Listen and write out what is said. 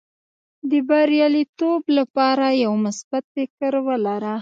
د بریالیتوب لپاره یو مثبت فکر ولره.